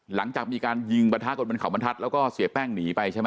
หลังจากมีการยิงประทะกันบนเขาบรรทัศน์แล้วก็เสียแป้งหนีไปใช่ไหม